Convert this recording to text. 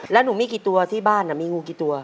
แล้วหนูมีกี่ตัวที่บ้านมีงูกี่ตัว